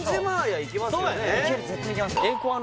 いける絶対いけますよ